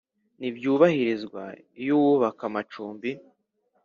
Ntibyubahirizwa iyo uwubaka amacumbi